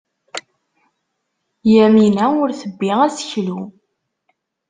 Yamina ur tebbi aseklu.